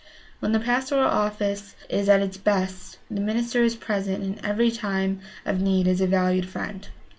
When the pastoral office is at its best the minister is present in every time of need as a valued friend.